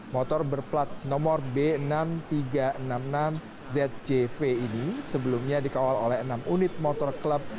motor berplat nomor b enam ribu tiga ratus enam puluh enam zjv ini sebelumnya dikawal oleh enam unit motor klub